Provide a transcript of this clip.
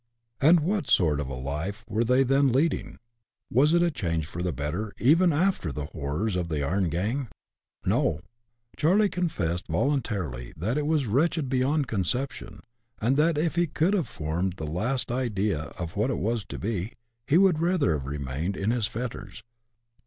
And what sort of a life were they then leading ? was it a change for the better, even after the horrors of the "iron gang?" No ; Charley confessed voluntarily that it was wretched beyond conception, and that, if he could have formed the least idea of what it was to be, he would rather have remained in his fetters.